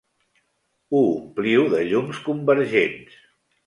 Ho ompliu de llums convergents.